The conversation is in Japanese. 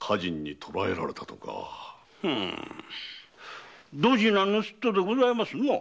ほぉドジな盗人でございますな。